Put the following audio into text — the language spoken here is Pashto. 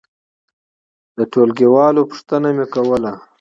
د ټولګي والو پوښتنه مې کوله.